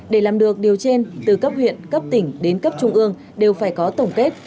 để làm được điều trên từ cấp huyện cấp tỉnh đến cấp trung ương đều phải có tổng kết